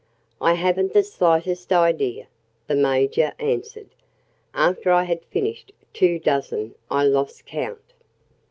"I haven't the slightest idea," the Major answered. "After I had finished two dozen I lost count."